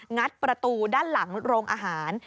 งัดประตูด้านหลังโรงอาหาร